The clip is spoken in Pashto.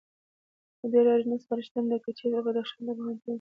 دا ډېره اړینه سپارښتنه ده، که چېرته د بدخشان د پوهنتون